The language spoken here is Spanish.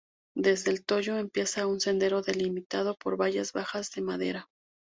Desde El Toyo empieza un sendero delimitado por vallas bajas de madera.